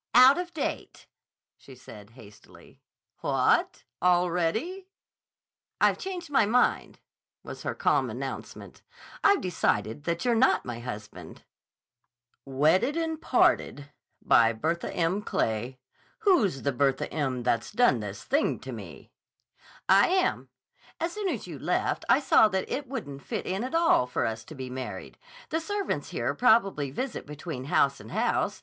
"Out of date," she said hastily. "What! Already?" "I've changed my mind," was her calm announcement. "I've decided that you're not my husband." [Illustration: "I've decided that you're not my husband"] "Wedded and Parted—by Bertha M. Clay. Who's the Bertha M. that's done this thing to me: "I am. As soon as you left I saw that it wouldn't fit in at all for us to be married. The servants here probably visit between house and house.